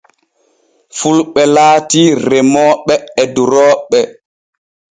Fulɓe laati remooɓe e durooɓe.